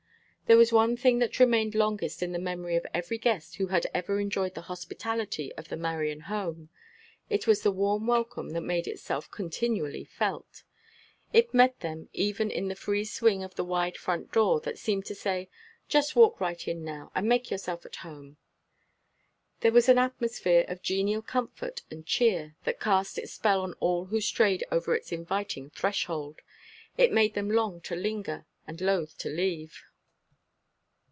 There was one thing that remained longest in the memory of every guest who had ever enjoyed the hospitality of the Marion home. It was the warm welcome that made itself continually felt. It met them even in the free swing of the wide front door that seemed to say, "Just walk right in now, and make yourself at home." There was an atmosphere of genial comfort and cheer that cast its spell on all who strayed over its inviting threshold. It made them long to linger, and loath to leave.